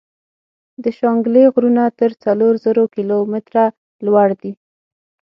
د شانګلې غرونه تر څلور زرو کلو ميتره لوړ دي ـ